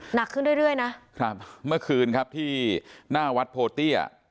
หนักขึ้นเรื่อยเรื่อยนะครับเมื่อคืนครับที่หน้าวัดโพเตี้ย